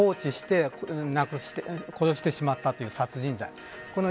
要するに、放置して殺してしまったという殺人罪。